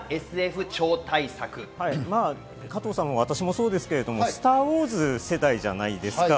加藤さんも私もそうですけど『スター・ウォーズ』世代じゃないですか。